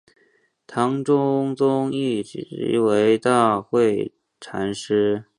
唐中宗谥其为大惠禅师。